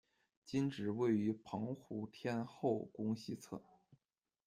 今址位于澎湖天后宫西侧。